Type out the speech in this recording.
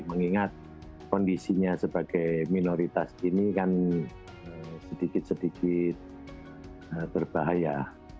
mengingat kondisinya sebagai minoritas ini kan sedikit sedikit berbahaya